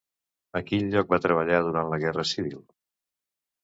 A quin altre lloc va treballar durant la guerra civil?